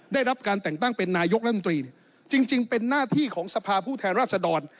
ได้รับการแต่งตั้งเป็นนายกรัฐมนตรีจริงเป็นหน้าที่ของสภาผู้แทนราชดร